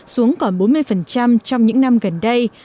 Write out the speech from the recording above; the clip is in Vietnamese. xuống còn bốn mươi trong những năm gần đây